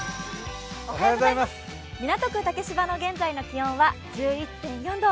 港区竹芝の現在の気温は１１．４度。